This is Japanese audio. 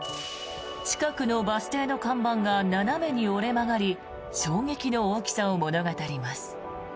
近くのバス停の看板が斜めに折れ曲がり衝撃の大きさを物語ります。